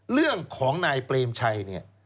เรื่องของนายเปรมชัยเนี่ย